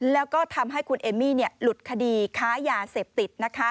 แล้วก็ทำให้คุณเอมมี่หลุดคดีค้ายาเสพติด